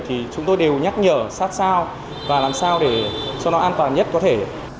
thì chúng tôi đều nhắc nhở sát sao và làm sao để cho nó an toàn nhất có thể